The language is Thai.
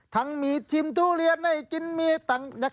ทั้งมีชิมทุเรียนให้กินมีต่าง